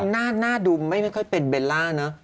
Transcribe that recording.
หน้าดูไม่ค่อยเป็นเบลล่าเนอะ